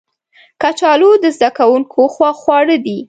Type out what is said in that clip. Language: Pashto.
کچالو د زده کوونکو خوښ خواړه دي